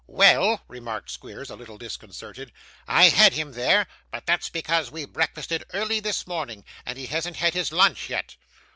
'Well,' remarked Squeers, a little disconcerted, 'I had him there; but that's because we breakfasted early this morning, and he hasn't had his lunch yet.